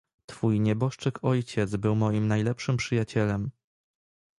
"Twój nieboszczyk ojciec był moim najlepszym przyjacielem."